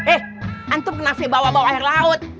eh antum kenapa bawa bawa air laut